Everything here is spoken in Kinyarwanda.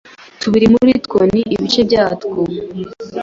tubiri muri two ni ibice byatwo